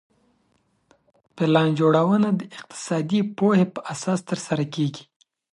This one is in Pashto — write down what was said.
پلان جوړونه د اقتصادي پوهي په اساس ترسره کيږي.